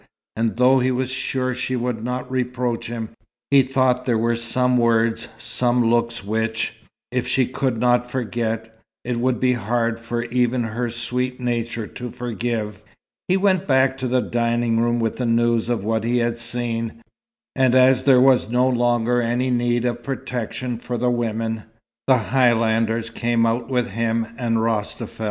And though he was sure she would not reproach him, he thought there were some words, some looks which, if she could not forget, it would be hard for even her sweet nature to forgive. He went back to the dining room with the news of what he had seen. And as there was no longer any need of protection for the women, the Highlanders came out with him and Rostafel.